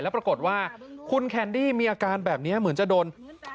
ปรากฏว่าคุณแคนดี้มีอาการแบบนี้เหมือนจะโดน